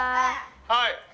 はい。